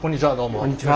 こんにちは。